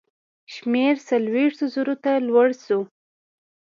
شمېر څلوېښتو زرو ته لوړ شو.